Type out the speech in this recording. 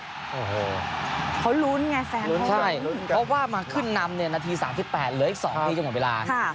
โอ้โหเขาลุ้นไงแฟนเพราะว่ามาขึ้นนำเนี่ยนาที๓๘เหลืออีก๒ที่จะหมดเวลา